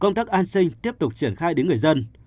công tác an sinh tiếp tục triển khai đến người dân